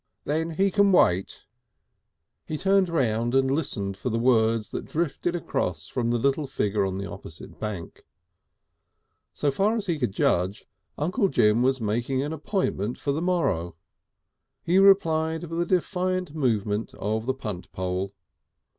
"Then he can wait," said Mr. Polly shortly. He turned round and listened for the words that drifted across from the little figure on the opposite bank. So far as he could judge, Uncle Jim was making an appointment for the morrow. He replied with a defiant movement of the punt pole.